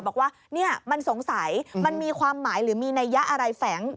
บอกว่าเนี่ยมันสงสัยมันมีความหมายหรือมีนัยยะอะไรแฝง